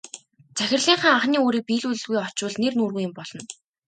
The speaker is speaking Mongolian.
Захирлынхаа анхны үүрийг биелүүлэлгүй очвол нэр нүүргүй юм болно.